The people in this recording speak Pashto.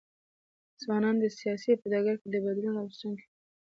ځوانان د سیاست په ډګر کي د بدلون راوستونکي دي.